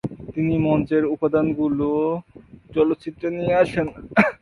তিনি মঞ্চের উপাদানগুলো চলচ্চিত্রে নিয়ে আসেন।